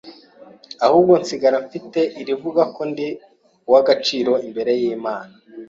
ahubwo nsigara mfite irivuga ko ndi uw’agaciro imbere y’Imana,